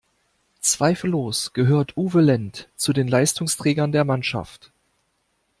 Zweifellos gehört Uwe Lendt zu den Leistungsträgern der Mannschaft.